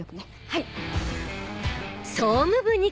はい。